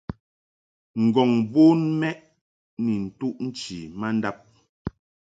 Ngɔ̀ŋ bon mɛʼ ni ntuʼ nchi ma ndab.